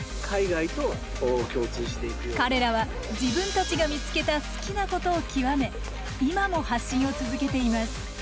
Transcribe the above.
彼らは自分たちが見つけた好きなことを極め今も発信を続けています。